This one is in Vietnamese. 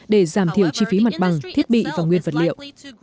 để giảm thiểu chi phí mặt bằng thiết bị và nguyên vật liệu